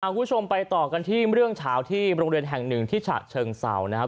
คุณผู้ชมไปต่อกันที่เรื่องเฉาที่โรงเรียนแห่งหนึ่งที่ฉะเชิงเศร้านะครับ